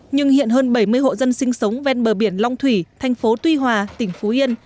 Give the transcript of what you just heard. nhưng hiện hơn bảy mươi hộ dân sinh sống ven bờ biển long thủy thành phố tuy hòa tỉnh phú yên